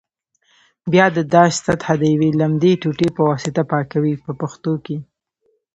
بیا د داش سطحه د یوې لمدې ټوټې په واسطه پاکوي په پښتو کې.